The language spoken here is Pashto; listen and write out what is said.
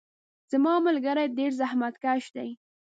زما ملګري ډیر زحمت کش دي.